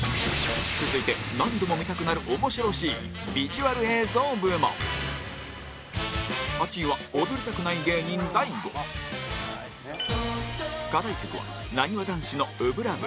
続いて、何度も見たくなる面白シーンビジュアル映像部門８位は踊りたくない芸人、大悟課題曲はなにわ男子の『初心 ＬＯＶＥ』